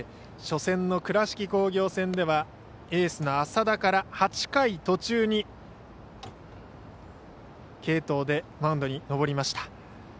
初戦の倉敷工業戦ではエースの麻田から８回途中に継投でマウンドに上りました。